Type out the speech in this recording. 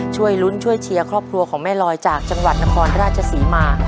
ช่วยลุ้นช่วยเชียร์ครอบครัวของแม่ลอยจากจังหวัดนครราชศรีมา